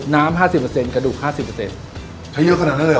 น้ำห้าสิบเปอร์เซ็นต์กระดูกห้าสิบเปอร์เซ็นต์ใช้เยอะขนาดนั้นเลยเหรอ